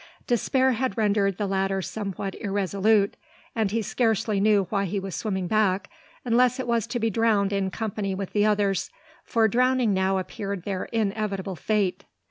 Despair had rendered the latter somewhat irresolute; and he scarcely knew why he was swimming back, unless it was to be drowned in company with the others; for drowning now appeared their inevitable fate.